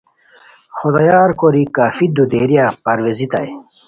خدایار کوری کافی دودیریا پرویزیتائے